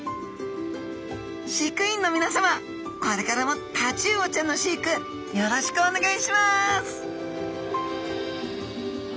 飼育員のみなさまこれからもタチウオちゃんの飼育よろしくお願いします！